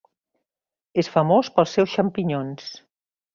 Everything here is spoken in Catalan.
És famós pels seus xampinyons.